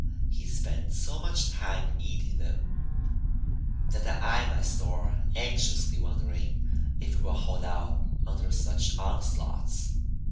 He spends so much time eating them that I eye my store anxiously wondering if it will hold out under such onslaughts.